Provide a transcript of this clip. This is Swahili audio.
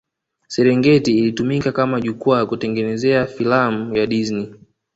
Serengeti ilitumika kama jukwaa kutengeneza filamu ya Disney